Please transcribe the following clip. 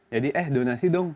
jadi eh donasi dong